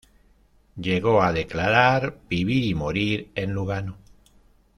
Llegó a declarar: "Vivir y morir en Lugano".